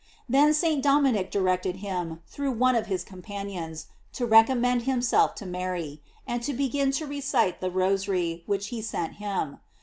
Then St. Dominic directed him, through one of his companions, to recommend himself to Mary, and to begin to recite the Rosary which he sent him.